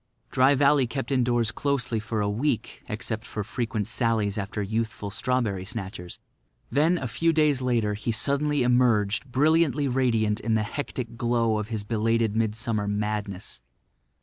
Dry Valley kept indoors closely for a week except for frequent sallies after youthful strawberry snatchers. Then, a few days later, he suddenly emerged brilliantly radiant in the hectic glow of his belated midsummer madness.